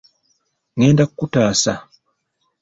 Ngenda ku taasa!